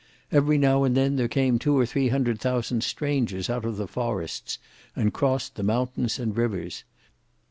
Every now and then, there came two or three hundred thousand strangers out of the forests and crossed the mountains and rivers.